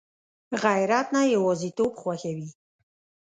غیرت نه یوازېتوب خوښوي